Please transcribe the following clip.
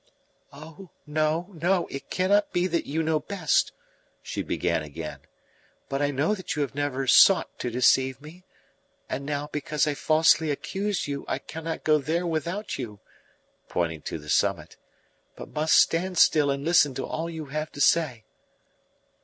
"Oh no, no, it cannot be that you know best!" she began again. "But I know that you have never sought to deceive me. And now, because I falsely accused you, I cannot go there without you" pointing to the summit "but must stand still and listen to all you have to say."